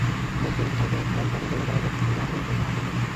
বোধ করি, বিচারকের মন কেমন করিয়া গলাইবেন এই লোহাগুলার উপর তাহার পরীক্ষা হইতেছে।